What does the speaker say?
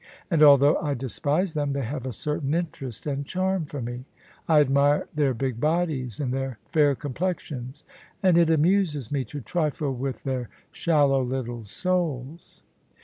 And, although I despise them, they have a certain interest and charm for me : I admire their big bodies and their fair complexions, and it amuses me to trifle with their shallow, little souls."